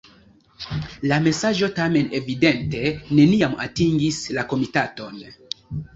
La mesaĝo tamen evidente neniam atingis la komitaton.